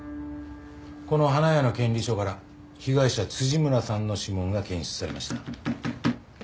この花屋の権利書から被害者村さんの指紋が検出されました。